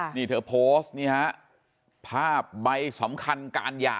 นี่เธอโพสต์นี่ฮะภาพใบสำคัญการหย่า